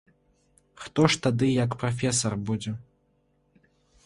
Хто ж тады як прафесар будзе?